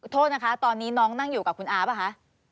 โทษนะคะตอนนี้น้องนั่งอยู่กับคุณอาป่ะคะ